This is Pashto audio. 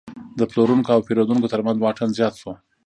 د پلورونکو او پیرودونکو ترمنځ واټن زیات شو.